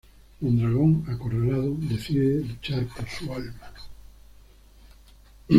Mondragón, acorralado, decide luchar por su alma.